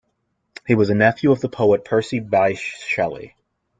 He was a nephew of the poet Percy Bysshe Shelley.